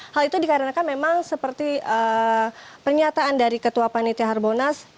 hal itu dikarenakan memang seperti pernyataan dari ketua panitia harbonas